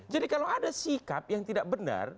jadi kalau ada sikap yang tidak benar